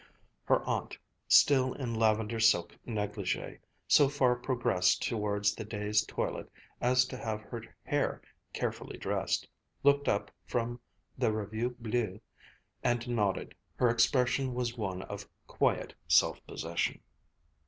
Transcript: Her aunt, still in lavender silk négligée, so far progressed towards the day's toilet as to have her hair carefully dressed, looked up from the Revue Bleue, and nodded. Her expression was one of quiet self possession.